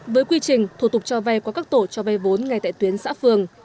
với quy trình thủ tục cho vay qua các tổ cho vay vốn ngay tại tuyến xã phường